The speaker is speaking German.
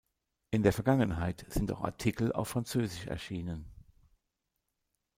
In der Vergangenheit sind auch Artikel auf Französisch erschienen.